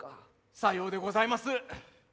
さようでございます。